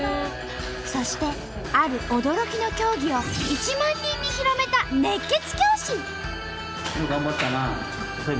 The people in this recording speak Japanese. そしてある驚きの競技を１万人に広めた熱血教師！